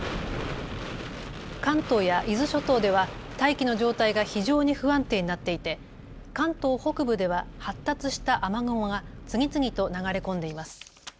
関東や伊豆諸島では大気の状態が非常に不安定になっていて関東北部では発達した雨雲が次々と流れ込んでいます。